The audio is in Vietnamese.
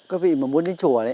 các vị mà muốn đến chùa đấy